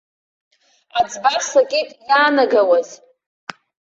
Аӡба сакит иаанагауаз.